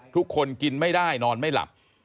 ทุกคนกินไม่ได้นอนไม่หลับ